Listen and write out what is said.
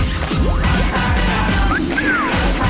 สุขสุขที่รัก